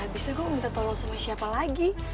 ya abis itu gue mau minta tolong sama siapa lagi